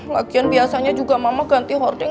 latihan biasanya juga mama ganti hoarding